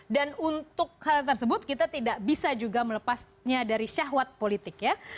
untuk hal tersebut kita tidak bisa juga melepasnya dari syahwat politik ya